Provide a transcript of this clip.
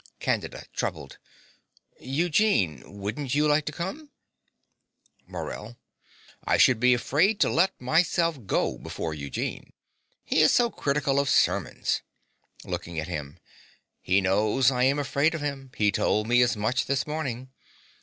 CANDIDA (troubled). Eugene: wouldn't you like to come? MORELL. I should be afraid to let myself go before Eugene: he is so critical of sermons. (Looking at him.) He knows I am afraid of him: he told me as much this morning.